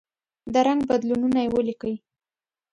د رنګ بدلونونه یې ولیکئ.